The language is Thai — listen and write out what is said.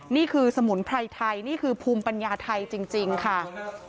นี่คือสมุนไพรไทยนี่คือภูมิปัญญาไทยจริงค่ะ